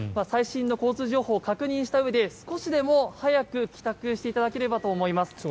最新の交通情報を確認したうえで少しでも早く帰宅していただければと思います。